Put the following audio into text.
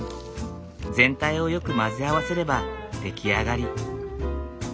全体をよく混ぜ合わせれば出来上がり。